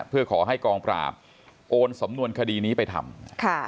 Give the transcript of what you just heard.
เพื่อขอให้กองปราบโอนสำนวนคดีนี้ไปทำ